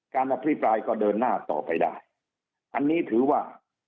อภิปรายก็เดินหน้าต่อไปได้อันนี้ถือว่า